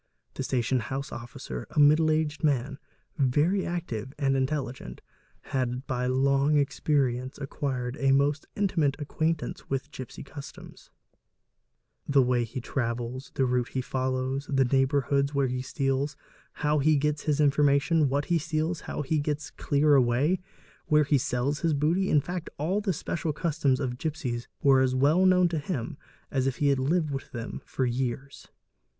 The station house officer, a middle aged man, very active and intelligent, had by long experience acquired a most intimate acqaintance with gipsy customs—the way he CA OY MNES EM AI AAI OE NL DEEPEST AE COD OE | travels, the route he follows, the neighbourhoods where he steals, how he gets his information, what he steals, how he gets clear away, where he sells his booty, in fact all the special customs of the gipsies were as well known to him as if he had lived with them for years.